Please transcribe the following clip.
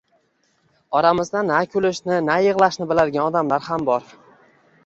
Oramizda na kulishni, na yig‘lashni biladigan odamlar ham bor.